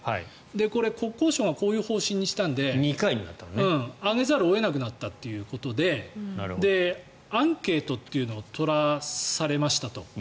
これ、国交省がこういう方針にしたので上げざるを得なくなったということでアンケートというのを取らされましたと。